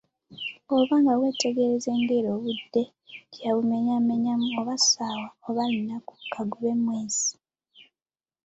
Bwoba nga weetegerezza engeri obudde gyeyabumenyamenyamu, oba ssaawa, oba lunaku, kagube mwezi